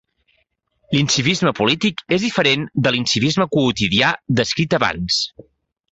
L'incivisme polític és diferent de l'incivisme quotidià descrit abans.